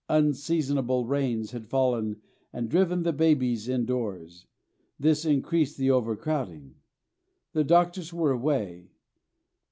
Unseasonable rains had fallen and driven the babies indoors; this increased the overcrowding. The doctors were away.